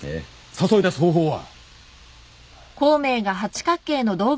誘い出す方法は？